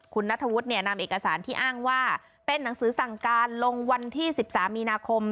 คุณนัทธวุฒิเนี่ยนำเอกสารที่อ้างว่าเป็นหนังสือสั่งการลงวันที่๑๓มีนาคม